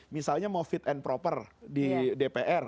misalnya mau fit and proper di dpr